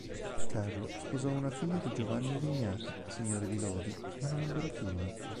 Carlo sposò una figlia di Giovanni Vignati, signore di Lodi, ma non ebbero figli.